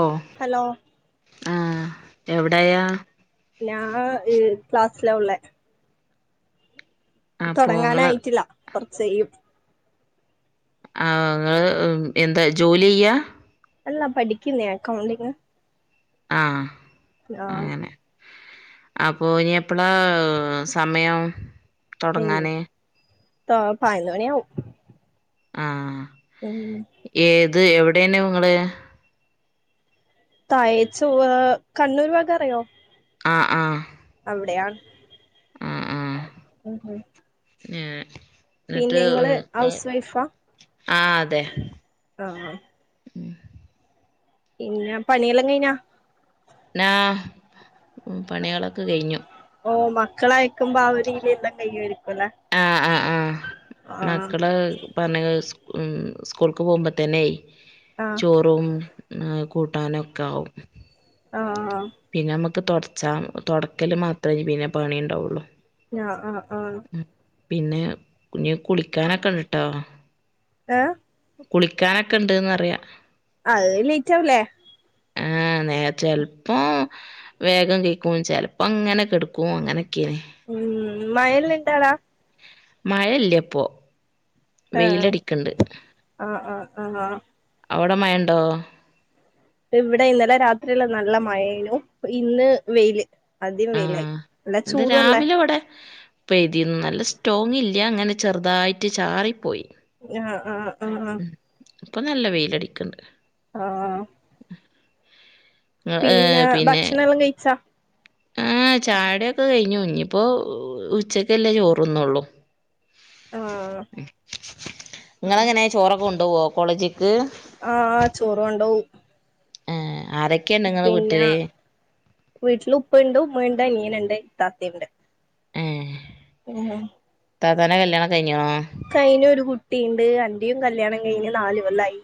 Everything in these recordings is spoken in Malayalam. ഓ ഹലോ ആാ എവടായാ ആാ ഞാ ക്ലാസ്സിലാ ഒള്ളെ അപ്പൊ ഇങ്ങള് തുടങ്ങാനായിട്ടില്ല കുറച്ച്യും ആ നിങ്ങ എന്താ ജോലി ചെയെയ്യാ അല്ല പഠിക്കുന്നേ അക്കൗണ്ടിങ് ആഹ ആഹ് അപ്പൊ ഇനി എപ്പളാ സമയം തുടങ്ങാനേ ത പൈന്നൊണി ആഉം ആഹ് ഉം ഇത് എവിടെനു ങ്ങള് തായച്ചുഏ കണ്ണൂർ ഭാഗം അറിയോ ആഹ് ആഹ് എവിടെയ ആഹ് ആഹ് ഉം ഏഹ് പിന്നെ എന്നിട്ട് ഇങ്ങള് ഹൗസ് വൈഫാ ആഹ് അതെ ആഹ് പിന്നെ പണിയെല്ലാം കയിഞ്ഞാ ആഹ് ഉ പണികളൊക്കെ കഴിഞ്ഞു ക്കള അക്ക്പോ അവധയിയില എല്ലാം കൈരിക്കും ആഹ് ആഹ് ആഹ് ആഹ് മക്കള പറഞ്ഞ സ്കൂൾക്ക്പൊമ്പ തന്നെ ആഹ് ചോറും കൂട്ടാനൊക്കെ ആകും ആഹ് ആഹ് പിന്നെ നമ്മക്ക് ച തൊടക്കൽ മാത്രേയ് പിന്നെ പണി ഇണ്ടാവൊള്ളു ഞാ ആഹ് ആഹ് പിന്നെ ഇഞ്ഞി കുളിക്കാനൊക്കെ ഇണ്ട്ട്ടോ ഏഹ് കുളിക്കാനൊക്കെ ഇണ്ട്ന്നറിയ അത് ലേറ്റാവില്ലേ ആഹ് നേ ചെലപ്പോം വേഗം കെഴ്ക്കും ചെലപ്പങ്ങനെ കെടക്കും അങ്ങനൊക്കേണ് ഉം മയൽ നിട്ടാടാ മഴ ഇല്ലെപ്പോ ആഹ് വെയിലടിക്ക്ണ്ട് ആഹ് ആഹ് ആഹ് അവിടെ മയണ്ടോ ഇവിടെ ഇന്നലെ രാത്രിയില് നല്ല മഴേനു ഇന്ന് വെയില് ആദ്യം വെയിലായി നല്ല ത് ചൂടുവല്ലേ രാവിലെ ഇവടെ പെയ്തീന്നു നല്ല സ്റ്റോങ് ഇല്ല ഇങ്ങനെ ചെറുതായിട്ട് ചാറിപ്പോയി ആഹ് ആഹ് ആഹ് ആഹ് ഇപ്പോ നല്ല വെയിലടിക്കുണ്ട് ആഹ് പിന്നെ ഭക്ഷണ എല്ലാം കഴിച്ചാ ആഹ് ചായ കുടിയൊക്കെ കഴിഞ്ഞു ഇഞ്ഞിയിപ്പോ ഉച്ചക്കല്ലേ ചോറന്നുള്ളൂ ആഹ് [inaudible] ഉം നിങ്ങള എങ്ങനെയെ ചോറൊക്കെ ഉണ്ട് കോണ്ടോവോ കോളേജിക്ക് ആഹ് ആഹ് ചോറ് കൊണ്ടോവും ഏ ആരൊക്കെയുണ്ട് നിങ്ങളെ പിന്നെ വീട്ടില് വീട്ടില് ഉപ്പാണ്ട് ഉമ്മ ഉണ്ട് അനിയനുണ്ട് ഇത്താത്തയുണ്ട് ഇത്താത്തടെ കല്യാണം കഴി കൈയിൽ ഒരു കുട്ടി കുട്ടീണ്ട് അന്റെയും കല്യാണം കഴിഞ്ഞ് നാല്കൊല്ലായി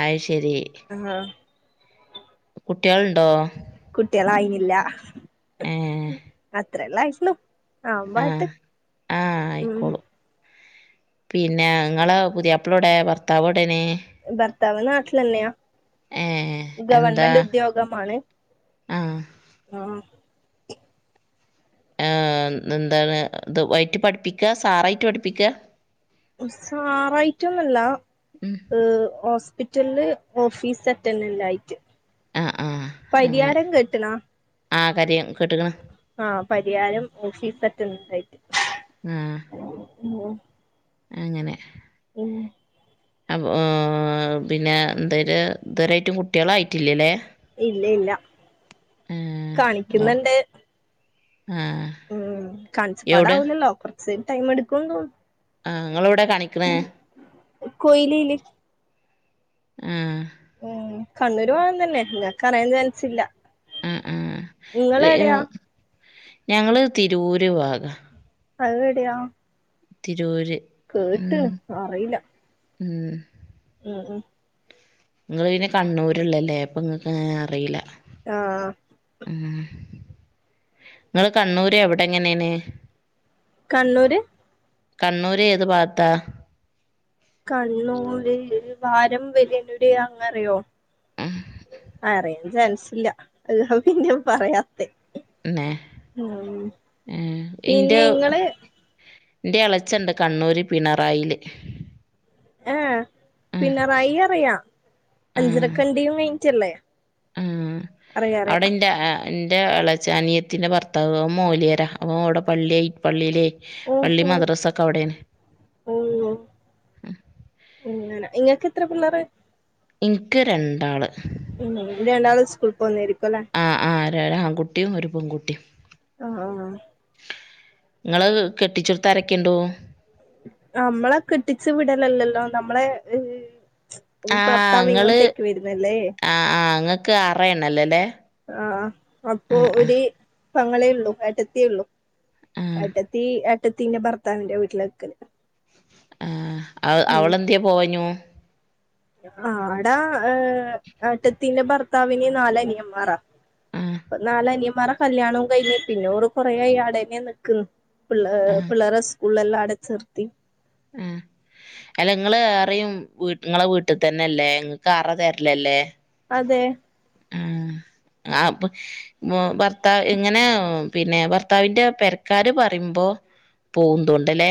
ആയിഷ് ശരി കുട്ടികളുണ്ടോ കുട്ടികളായില്ല ഏ [unintelligible] ഇത്രല്ലേ ആയിട്ടുള്ളൂ ആ വായിട്ട് ആ ഉം ആയിക്കോളും പിന്നെ നിങ്ങള് പുതിയപ്പിളെവിടെ ഭർത്താവ് ഉടനെ ഭർത്താവ് നാട്ടിൽ തന്നെയാ എന്താ ഗവൺമെന്റ് ഉദ്യോഗമാണ് ആ ആഹ് ആഹ് എന്താണ് ഇത് [unintelligible] പഠിപ്പിക്ക സാറായിട്ട് പഠിപ്പിക്ക സാറായിട്ടൊന്നല്ല ഉം ഹോസ്പിറ്റ ഹോസ്പിറ്റലിൽ ഓഫീസ് അറ്റൻഡന്റ് ആയിട്ട് ആ ആ അങ്ങനെ പരിയാരം കേട്ടണാ ആ കാര്യം കെട്ടേക്കണ് ആഹ് പരിയാരം ഓഫീസ് അറ്റൻഡൻ്റയിട്ട് ആഹ് അങ്ങനെ ഉം അ പിന്നെ എന്തായിര് ഇതുവരായിട്ടും കുട്ടികളായിട്ടില്ലല്ലേ ഇല്ല ഇല്ല ആഹ് നോ കാണിക്കുന്നുണ്ട് ആഹ് ഉം കാണിച്ച പ്പാട് എവ്ടെ ആവൂലല്ലോ അപ്പം [unintelligible] ടൈം എടുക്കുന്നു തോന്ന ആഹ് നിങ്ങളവിടെ കാണിക്കണേ കൊയിലേല് ആഹ് ഉം കണ്ണൂര് വേണന് തന്നെ നിനക്ക് അറിയാൻ ചാൻസില്ല ആഹ് ആഹ് [unintelligible] ഞങ്ങള് തിരുവൂര് ഭാഗ അതെവിടെയ തിരൂര് കേട്ട്ണ് ഉം അറിയില്ല ഉം ആ നിങ്ങൾ പിന്നെ കണ്ണൂരുള്ളല്ലേ അപ്പൊ ഇങ്ങക്ക് അറിയില്ല ആഹ് നിങ്ങള് കണ്ണൂര് എവിടെ എങ്ങനെയാണ് കണ്ണൂര് കണ്ണൂര് ഏത് ഭാഗത്താ കണ്ണൂര് [unintelligible] അങ്ങറിയോ ഉം ആ അറിയാം എന്നച്ചാ ഇല്ല അത് ഞാൻ പിന്നെ പറയാ [unintelligible] ന്നെ ഉം ഏഹ് പിന്നെ ഇങ്ങള് എന്റെ ഇളച്ചിണ്ട് കണ്ണൂര് പിണറായില് ആ ആഹ് പിണറായി അറിയാം അഞ്ചരക്കണ്ടിയും കഴിഞ്ഞിട്ടല്ലേ ഉം അറിയാം അറിയാം അവിടെന്റെ ആ എൻ്റെ എളച്ചി അനിയത്തിൻ്റെ ഭർത്താവ് മൊയ്‌ല്യരാ അവ അവിടെ പള്ളി പള്ളിയിലെ പള്ളി ഓഹോ മദ്രാസ ഒക്കെ അവിടെണ് ഓഹ് അങ്ങനെ ഇങ്ങക്ക് എത്ര പിള്ളേര് എനിക്ക് രണ്ടാള് ഉം രണ്ടാള് സ്കൂൾ പോന്നേരിക്കും അല്ലേ ആ ആ ഒരു ആൺകുട്ടിയും ഒരു പെൺകുട്ടിയും ആഹ് നിങ്ങള് കെട്ടിച്ചെടുത്ത് ആരൊക്കെ ഉണ്ട് നമ്മളെ കെട്ടിച്ചു വിടലല്ലല്ലോ നമ്മളെ ആഹ് ഭർത്താവ് ഇങ്ങള് ഇങ്ങോട്ടേക്ക് വരുന്നല്ലേ ആ ഇങ്ങ ക്ക് അറയണ്ണലല്ലേ? ആ അപ്പൊ ഒര് പെങ്ങളേ ഉള്ളു ഏട്ടത്യേ ഉള്ളു. ആ എട്ടത്തി എ ട്ടത്തീന്റെ ഭർത്താവിന്റെ വീട്ടിലാ നിക്കനെ. ആ ആ അവളെന്ത്യേ പോകാഞ്ഞു. ആ എടാ ഏ ഏട്ടത്തീന്റെ ഭർത്താവിന് നാലനിയന്മാറാ. ആ പ്പ നാലനിയ വേറെ കല്യാണോം കഴിഞ്ഞ് പിന്നെ ഓള് കൊറേ ആ ആടെന്ന്യാ നിൽക്കുന്നു. പിള്ള ആ പിള്ളാരെ ഉള്ളെല്ലാം അടച്ചിർത്തി. ആ അല്ലങ്ങള് അത്രയും വീട് നിങ്ങളെ വീട്ടിൽ തന്നെല്ലേ നിങ്ങക്ക് അറ തരലല്ലേ? അതെ. ഉ ആപ്പ ഭർത്താവ് ഇങ്ങനെ പിന്നെ ഭർത്താവിന്റെ പെരക്കാര് പറയുമ്പോ പോകുന്തോണ്ടല്ലേ?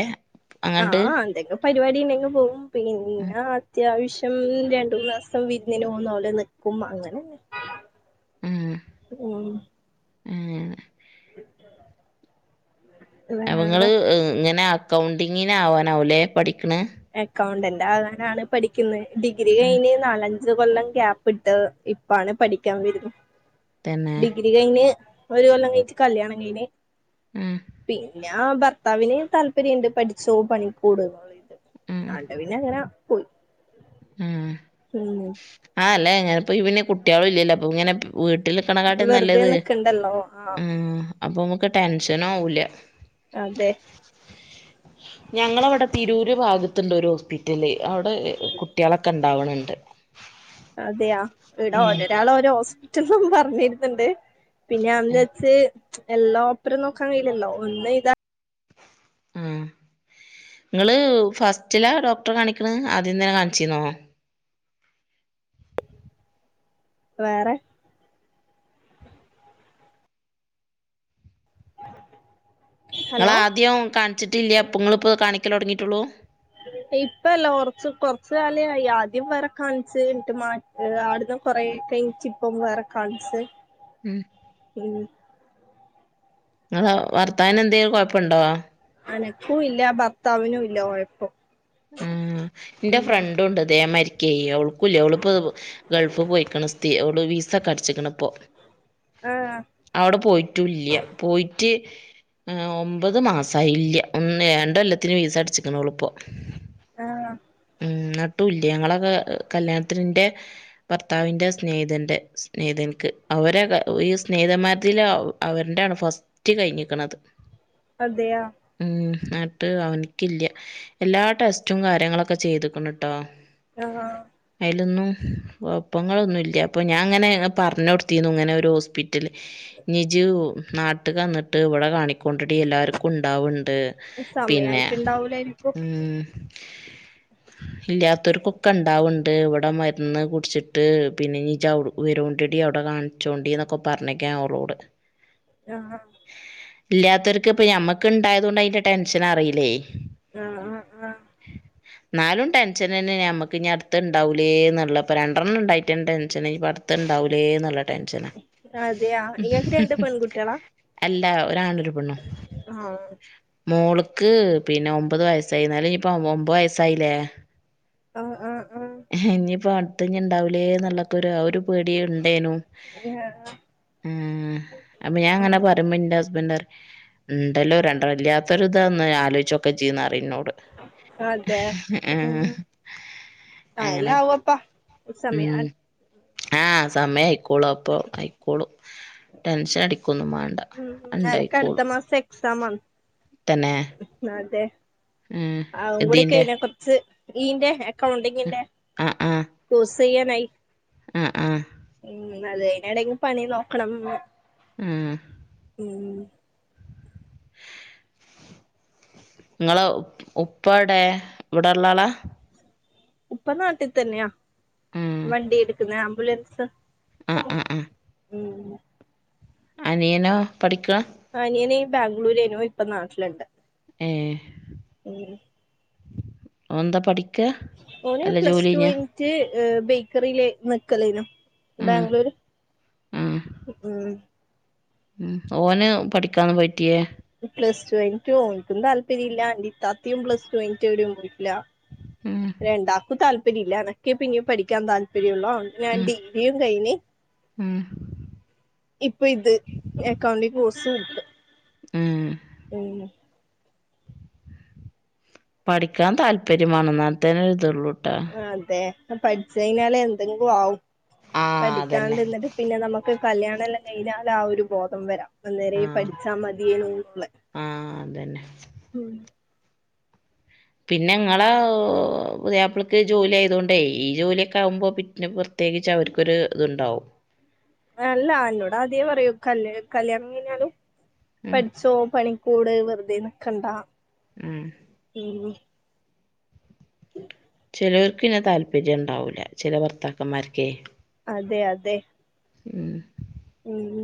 ആ ആ എന്തേക്ക പരിപാടി ഉണ്ടെങ്കി പോകും. ഉം പിന്ന അത്യാവശ്യം രണ്ടൂന്ന് ദേസം വിരുന്നിന് പോകുന്നവിടെ നിക്കും അങ്ങനെ. ഉം ഉം അങ്ങനെ [unintelligible] അവങ്ങള് വേറെ ഇ ഇങ്ങനാ അക്കൗണ്ടിങ്ങിന് ആവാനാവ്വല്ലേ പഠിക്ക അക്കൗണ്ടന്റ്. അതാകാനാണ് പഠിക്കുന്നേ. ഡിഗ്രി ഉം കഴിഞ്ഞ് നാലഞ്ച് ഞ്ച് കൊല്ലം ഗ്യാപ്പ് ഇട്ട് ഇപ്പാണ് പഠിക്കാൻ വെരുന്ന. തന്നെ ഡിഗ്രി കഴിഞ്ഞ് ഒരു കൊല്ലം കയിച് കല്യാണംകീഞ്ഞ് ഉം പിന്നെ ആ ഭർത്താവിന് താല്പര്യംണ്ട് പഠിച്ചോ പണിക്കൂട് ഉം ന്ന്‌ ആണ്ട് പിന്നങ്ങന. പോയി ഉം ഉം ആ അല്ലെ ഇങ്ങനെപ്പ പിന്നെ കുട്ടികളും ഇല്ലല്ലോ അപ്പൊ ഇങ്ങനെ വീട്ടിൽക്കണക്കാട്ടും വെറുതെ നല്ലത് നിക്കണ്ടല്ലോ ആഹ് ഉ അപ്പം ടെൻഷന ആവില്ല അതെ ഞങ്ങളവിടെ തിരൂര് ഭാഗത്തുണ്ട് ഒരു ഹോസ്പിറ്റല് അവിടെ കുട്ടികളൊക്കെൺ ണ്ടാവണണ്ട് അതെയാ ഇടാഒര് ഒരാളെ ഒരോസ് റ്റൊന്നും പറഞ്ഞിരുന്നുണ്ട് പിന്നെ അന്ന് വച്ച് എല്ലാം പ്പരം നോക്കാൻ കയില്ലല്ലോ ഒന്നെയ് താ ആ ങ്ങള് ഫസ്റ്റില ഡോക്ടറെ കാണിക്ണ് ആദ്യന്നെ കാണിച്ചിന്നോ വേറെ നിങ്ങള ഹലോ ആദ്യം കാണിച്ചിട്ടില്ല പ്പൊ ങ്ങളി പ്പോ കാണിക്കലൊട്ങ്ങിയിട്ടോള്ളൂ ഇപ്പല്ല കൊറച്ച് [unintelligible] ആദ്യം ബടെ കാണിച് ന്നിട്ട് മാ അട്ന്ന് കൊറേ കഴിച് ഇപ്പം വേറെ കാണിച് ഉം ഉം [unintelligible] വർത്താവിനന്തെകൊഴപ്പണ്ടോ അനക്കും ഇല്ല ഭർത്താവിനും ഇല്ല കുഴപ്പം ഉം ന്റെ ഫ്രണ്ടുണ്ട്ദേമാരി കേയോൾക്കൂല്ല അവളിപ്പോ ഗൾഫ് പോയിക്കണ് സ്തി അവള് വിസക്കെ അടിചാക്ണ ഇപ്പൊ ആഹ് അവിടെ പോയിട്ടുംല്ല പോയിട്ട് ആ ഒമ്പത് മാസയില്ല ഉം ന്നെ രണ്ടൊല്ലത്തിന് ഫീസടിച്ചിക്ണ് ഓളിപ്പൊ ആഹ് നട്ടു ഇല്യ ഞങ്ങളത് കല്യാണത്തിന്റെ ഭർത്താവിന്റ സ്നേഹിതന്റെ സ്നേഹതനിക്ക് അവരെ ഈ സ്നേഹതന്മാര്തിൽ അവു അവന്റാണ് ഫസ്റ്റ് കഴിഞ്ഞിക്കത് അതെയാ എന്നട്ട് അവനിക്കില്ല എല്ലാ ടെസ്റ്റും കാര്യങ്ങളൊക് ക്കെ ചെയ്തുക്ണ് ട്ടോ യ ഹ ത് ന്നും കുഴപ്പങ്ങളൊന്നുല്ല പം ഞാൻ അങ്ങനെ പർഞൊടുത്തിന്നു ഇങ്ങനെ ഒരു ഹോസ്പിറ്റല് നിജു നാട്ട് ക്കെന്നിട്ട് ഇവിടെ കാണിക്കൊണ്ടിടി എല്ലാർക്കും ഉണ്ടാവ ണ്ട് പിന്നെ സമയായിട്ടുണ്ടാവൂലായിരിക്കും ഉം ത് ല്ലാത്തൊരുകൊക്കെ ഇണ്ടാവുണ്ട് ഇവിടെ മരുന്ന് കുടിച്ചിട്ട് പിന്നെ നിജ്ജ് വരോണ്ടടി അവിടെ കാണിച്ചോണ്ടിന്നൊക്കെ പറഞ്ഞേക്കാ ഓളോട് യമ്മം ഇല്ലാത്തവർക്ക് ഇപ്പ ഞമ്മക്ക് ഇണ്ടായതോണ്ട് അയിന്റെ ടെൻഷൻ അറിയില്ലേ ആഹ് ഹ ഹ നാലും ടെൻഷനന്നെ നമുക്ക് ഞ്ഞി അടുത്തഹ് ണ്ടാവുല്ലേന്നുള്ള പ്പ രണ്ടെണ്ണം ണ്ടായിട്ടന്നെ ടെൻഷന് ഇപ്പ അടുത്തുണ്ടാവുല്ലേന്നർ അതെയാ ഇങ്ങക്ക് രണ്ട് പെൺകുട്ടിളാ രാ ഒരാണ് പെണ്ണ് മോള്ക്ക് പിന്നെ ഒമ്പത് വയസായി ന്നാലും ഇപ്പ ഒമ്പത് വയ സൈലേ ആഹ് ആഹ് ആഹ് ഇനിപ്പ മുത്തങ്ങ ഉണ്ടാവില്ലേ എന്നുള്ളൊക്ക ഒരു ആ ഒരു പേടി ഉണ്ടേനും ഉ അപ്പൊ ഞാൻ അങ്ങനെ ഉം പറയുമ്പോ എന്റെ ഹസ്ബൻഡ ആ ഉണ്ടല്ലോ രണ്ടരല്ലാത്തൊരു ഇതാന്ന് ആലോചിച്ചൊക്കെ ചെയ്യുന്ന അറിോട്ട ആ അതെ ആല്ല അങ്ങനെ ആവപ്പാ സമയ ഉം ആഹ് സമയം ആയിക്കോളൂ അപ്പൊ ആയിക്കോളൂ ടെൻഷൻ അട ഉ അനക്ക് അടുത്ത മാസം എക്സാം ആ തന്നെ അതെ ഉം അവൻകൂടെ ഇതിന്റെ കൈയില കൊറച്ച് ഇന്റെ കൗണ്ടിങ്ങ ചെയ്യ നായി ആഹ ആഹ ഉം അതെനി എടങ്കും പണി നോക്കണം ആഹ ഉം നിങ്ങള് ഉ ഉപ്പടെ ഇവിടെള്ള ആളാ ഉപ്പ നാട്ടിൽ തന്നെയാ വണ്ടി എടുക്കുന്ന ബലസ് ആഹ ആഹ ആഹ അനിയനോ പഠിക്ക ആനിയന ഈ ബാംഗ്ലൂരേനോ ഇപ്പൊ നാട്ടിലുണ്ട് ഏ ഉം വന്ത പഠ ഓന് പ്ലസ് ടു പോയിന്റ്റ് ബേക്കറിൽെ നിക്കലേന ഉം ബാംഗ്ലൂര് ഉ ഉ ഓന് പഠിക്കാന്ന് പോയിറ്റിയേ പ്ലസ് ടു പോയിന്റ് ഓനിക്കും താല്പര്യ ഇല്ലാ ഇത്താത്തിം പ്ലസ് ടുയിന് എവിടെ ഉം രണ്ടാക്കും താല്പര്യം തല്ല അനക്കെ പിന്നെ പഠിക്കാൻ താല്പര്യമുള്ളോ ഞാൻ ഉം ഡിപിയും കൈനി ഉം ഇപ്പൊ ഇത് അക്കൗണ്ടി കോഴ സൂട്ട് ഉം ഉം പഠിക്കാൻ താല്പര്യമാണംന്ന തന്നെ ഇുതള്ളൂ ആ അതെ പഠിച്ചനാലേ എന്തെങ്കും ആവും ആഹ് അതന്നെ പഠിക്കാണ്ടന്നിട്ട് പിന്നെ നമക്ക് കല്യാണ ല്ല കഴിഞ്ഞാല ആ ഒരു ബോധം വര അന്നേര ആഹ് പഠിച്ചാ മതിയേനു ന്ന് ആഹ് അതന്നെ പിന്നെ ങ്ങളെ പുതിയപ്പിൾക്ക് ജോലി ആയതൊണ്ടേ ഈ ജോലിയൊക്കെ ആകുമ്പോ പിന്നെ പ്രത്യേകിച് അവർക്കൊരു ഇത് ണ്ടാവും അല്ല ന്നോട ആദ്യേ പറയൂ കല് കല്യാണം കഴിഞ്ഞാലും ഉം പഠിച്ചോ പണിക്ക കൂടെ വെറുതെനി കണ്ടാ ഉം ഉം ചിലവർക്കിന്നെ താല്പര്യഉണ്ടാവൂില്ല ചില ഭർത്താക്കന്മാർക്കേ അതെ അതെ ഉം ഉം